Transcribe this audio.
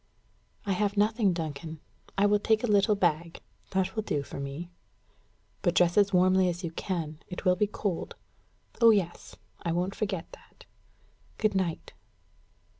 "I have nothing, Duncan. I will take a little bag that will do for me." "But dress as warmly as you can. It will be cold." "Oh, yes; I won't forget that. Good night."